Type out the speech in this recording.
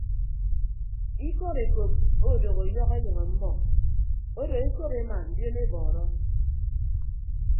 Ikọd ekop odooho ọyọhọ enyịñ ọmmọ odo ekop ema ndionebọọrọ.